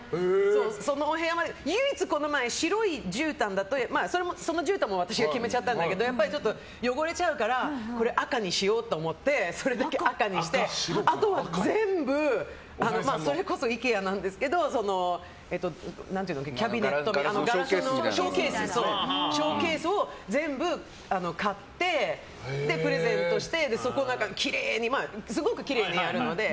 そのお部屋で唯一白いじゅうたんそのじゅうたんも私が決めちゃったんだけどやっぱり汚れちゃうからこれ赤にしようって思ってそれだけ赤にして、あとは全部それこそＩＫＥＡなんですけどショーケースを全部買ってプレゼントして、そこをきれいにすごくきれいにやるので。